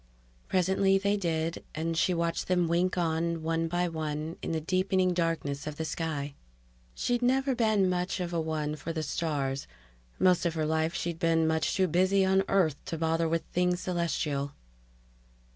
Presently they did, and she watched them wink on, one by one, in the deepening darkness of the sky. She'd never been much of a one for the stars; most of her life she'd been much too busy on Earth to bother with things celestial.